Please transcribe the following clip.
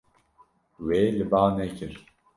Wê li ba nekir.